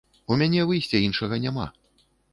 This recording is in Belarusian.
У мяне выйсця іншага няма.